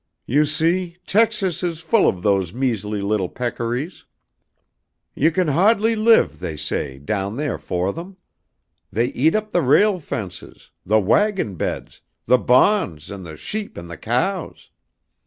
"You see, Texas is full of those measly little peccaries. You can hahdly live, they say, down theah for them. They eat up the rail fences, the wagon beds, the bahns and the sheep and the cows.